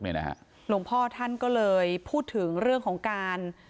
หลวงพ่อท่านก็เลยพูดถึงเรื่องของการ